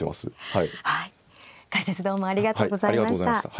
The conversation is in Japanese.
はい解説どうもありがとうございました。